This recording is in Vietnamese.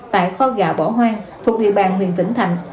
tại kho gà bỏ hoang thuộc địa bàn huỳnh vĩnh thạnh